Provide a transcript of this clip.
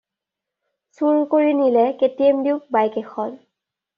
চুৰ কৰি নিলে কেটিএম ডিউক বাইক এখন।